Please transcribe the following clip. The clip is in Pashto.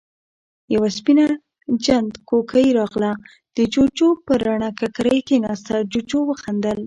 يوه سپينه جنت کوکۍ راغله، د جُوجُو پر رڼه ککری کېناسته، جُوجُو وخندل: